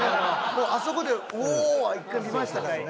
あそこでおお！は１回見ましたからね。